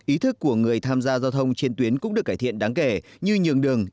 ý thức của người tham gia giao thông trên tuyến cũng được cải thiện đáng kể như nhường đường